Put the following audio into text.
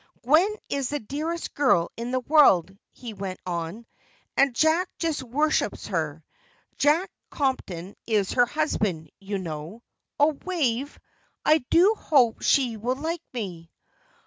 'Gwen is the dearest girl in the world,' he went on, 'and Jack just worships her. Jack Compton is her husband, you know.' Oh Wave, I do hope she will like me."